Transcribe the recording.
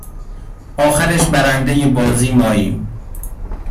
آخرش برنده ی بازی ماییم